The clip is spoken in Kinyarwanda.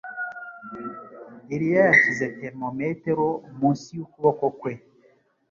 Eliya yashyize termometero munsi yukuboko kwe.